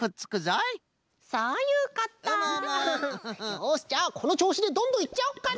よしじゃあこのちょうしでどんどんいっちゃおうかな！